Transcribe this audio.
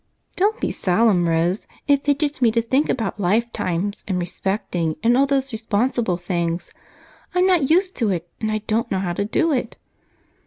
"Don't be solemn, Rose. It fidgets me to think about life times, and respecting, and all those responsible things. I'm not used to it, and I don't know how to do it."